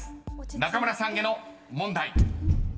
［中村さんへの問題］